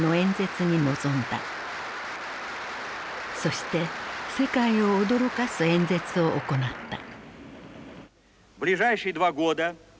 そして世界を驚かす演説を行った。